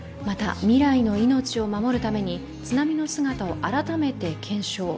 また、未来の命を守るために津波の姿を改めて検証。